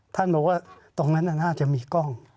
ท่านบอกว่าตรงนั้นน่าจะมีกล้อง